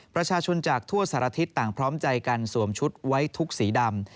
ประชาชนจากทั่วสารทิศต่างพร้อมใจกันสวมชุดไว้ทุกสีดำ